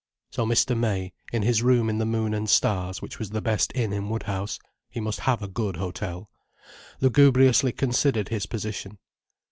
So Mr. May, in his room in the Moon and Stars, which was the best inn in Woodhouse—he must have a good hötel—lugubriously considered his position.